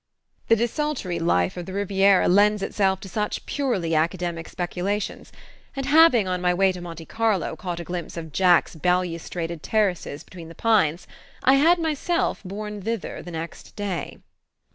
The desultory life of the Riviera lends itself to such purely academic speculations; and having, on my way to Monte Carlo, caught a glimpse of Jack's balustraded terraces between the pines, I had myself borne thither the next day.